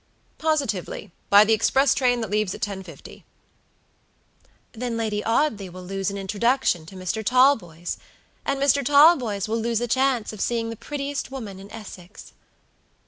"Positivelyby the express train that leaves at 10.50." "Then Lady Audley will lose an introduction to Mr. Talboys, and Mr. Talboys will lose the chance of seeing the prettiest woman in Essex."